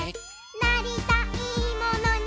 「なりたいものに」